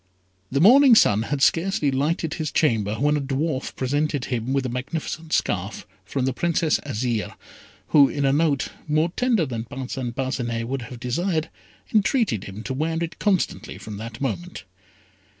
The morning sun had scarcely lighted his chamber, when a dwarf presented him with a magnificent scarf from the Princess Azire, who in a note, more tender than Parcin Parcinet would have desired, entreated him to wear it constantly from that moment.